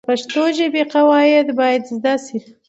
د پښتو ژبې قواعد باید زده سي.